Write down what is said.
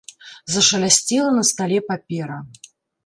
Зашалясцела на стале папера.